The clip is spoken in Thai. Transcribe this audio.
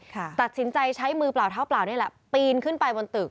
ตัดสินใจใช้มือเปล่าเท้าเปล่านี่แหละปีนขึ้นไปบนตึก